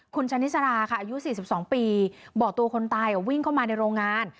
คุณชะนิสราค่ะอายุ๔๒ปีบอกตัวคนตายวิ่งเข้ามาในโรงงาน